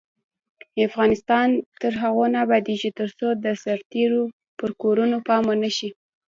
افغانستان تر هغو نه ابادیږي، ترڅو د سرتیرو پر کورنیو پام ونشي.